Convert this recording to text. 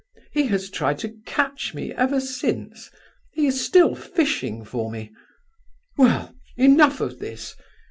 He has tried to catch me ever since; he is still fishing for me. Well, enough of this.